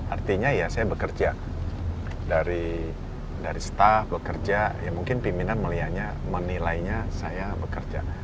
artinya ya saya bekerja dari staff bekerja ya mungkin pimpinan melihatnya menilainya saya bekerja